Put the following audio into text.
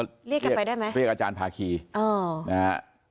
เรียกกันไปได้ไหมเรียกอาจารย์ภาคีนะฮะ